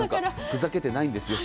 ふざけてないんですよ。